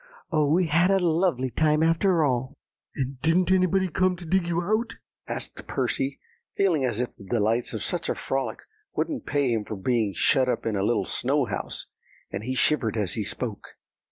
Oh, we had a lovely time, after all!" "And didn't anybody come to dig you out?" asked Percy, feeling as if the delights of such a frolic wouldn't pay him for being shut up in a little snow house; and he shivered as he spoke.